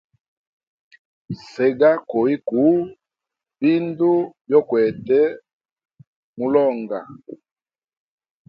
Sega kowi kuu bindu byokwete mulonga.